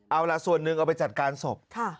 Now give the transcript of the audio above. เอาล่ะส่วนหนึ่งเอาไปจัดการศพ